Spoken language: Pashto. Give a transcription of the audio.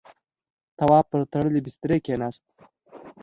تواب پر تړلی بسترې کېناست.